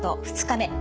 ２日目。